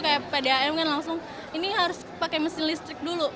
kayak pdam kan langsung ini harus pakai mesin listrik dulu